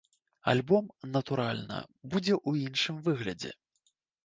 Альбом, натуральна, будзе ў іншым выглядзе.